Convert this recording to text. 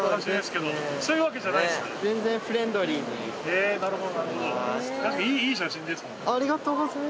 えなるほど。